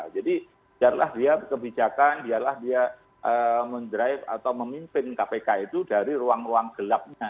jadi biarlah dia kebijakan biarlah dia men drive atau memimpin kpk itu dari ruang ruang gelapnya